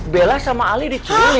bella sama ali diculik